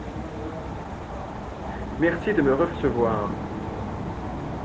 Merci de me recevoir.